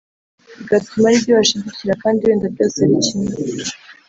bigatuma ari byo bashidukira kandi wenda byose ari kimwe